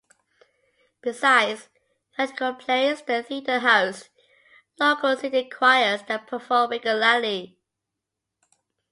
Besides theatrical plays, the theatre hosts local city choirs that perform regularly.